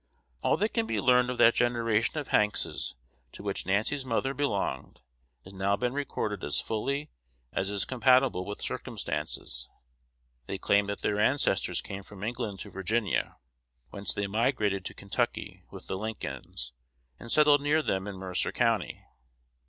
All that can be learned of that generation of Hankses to which Nancy's mother belonged has now been recorded as fully as is compatible with circumstances. They claim that their ancestors came from England to Virginia, whence they migrated to Kentucky with the Lincolns, and settled near them in Mercer County.